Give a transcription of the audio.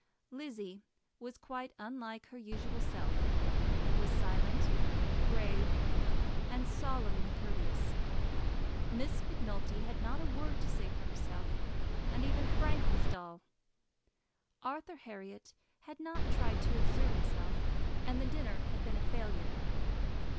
Lizzie was quite unlike her usual self, was silent, grave, and solemnly courteous; Miss Macnulty had not a word to say for herself; and even Frank was dull. Arthur Herriot had not tried to exert himself, and the dinner had been a failure.